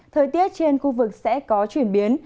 thời tiết trên khu vực sẽ có chuyển biến